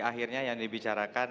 akhirnya yang dibicarakan